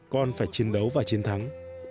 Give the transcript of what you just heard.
con phải chiến đấu và chiến thắng